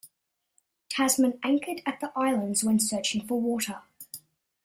Tasman anchored at the islands when searching for water.